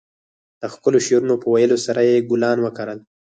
د ښکلو شعرونو په ويلو سره يې ګلان وکرل.